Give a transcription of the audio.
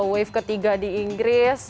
wave ketiga di inggris